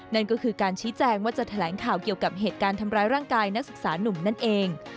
นั่นก็คือการชี้แจงว่าจะแถลงข่าวเกี่ยวกับเหตุการณ์ทำร้ายร่างกายนักศึกษานุ่มนั่นเอง